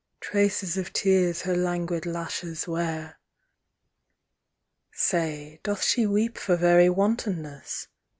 Traces of tears her languid lashes wear. Say, doth she weep for very wantonness?